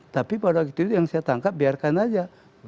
tapi pada waktu itu yang saya tangkap biarkan aja